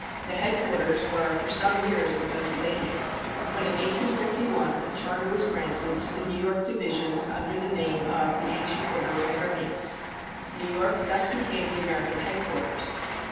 The headquarters were for some years in Pennsylvania, but in 1851 a charter was granted to the New York Divisions under the name of "The Ancient Order of Hibernians." New York thus became the American headquarters.